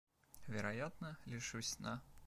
Вероятно — лишусь сна.